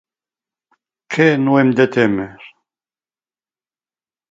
Què no hem de témer?